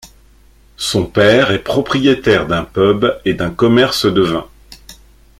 Son père est propriétaire d'un pub et d'un commerce de vin.